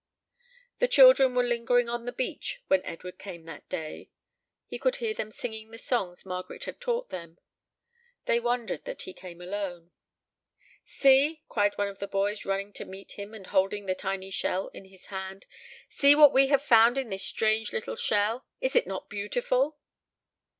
The children were lingering on the beach when Edward came that day. He could hear them singing the songs Margaret had taught them. They wondered that he came alone. "See," cried one of the boys, running to meet him and holding a tiny shell in his hand, "see what we have found in this strange little shell. Is it not beautiful!"